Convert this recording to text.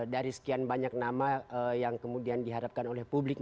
dari sekian banyak nama yang kemudian diharapkan oleh publik